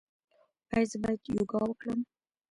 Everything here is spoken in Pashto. ایا زه باید یوګا وکړم؟